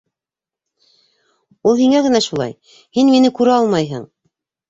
Ул һиңә генә шулай! һин мине күрә алмайһың!